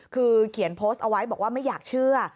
คือเขียนโพสต์เอาไว้บอกว่าไม่อยากเชื่อ